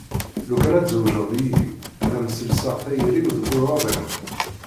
Lukan ad tzewǧeḍ yid-i ad am-sselseɣ tayri-w deg uḍad-im.